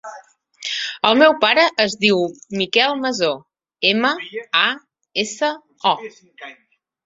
El meu pare es diu Mikel Maso: ema, a, essa, o.